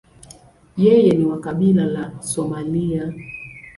Yeye ni wa kabila la Somalia.